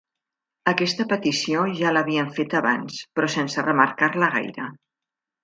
Aquesta petició ja la havien feta abans, però sense remarcar-la gaire.